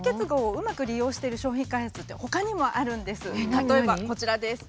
例えばこちらです。